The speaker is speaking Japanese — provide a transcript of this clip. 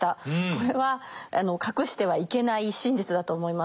これは隠してはいけない真実だと思います。